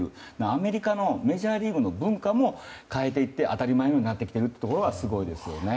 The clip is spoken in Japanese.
アメリカのメジャーリーグの文化も変えていって当たり前になってきているのがすごいですよね。